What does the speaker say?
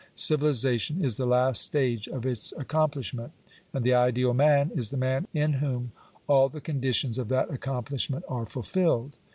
Civilization is the last stage of its accom plishment. And the ideal man is the man in whom all the conditions of that accomplishment are fulfilled.